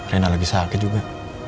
rena lagi sakit juga